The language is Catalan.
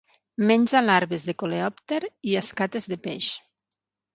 Menja larves de coleòpter i escates de peix.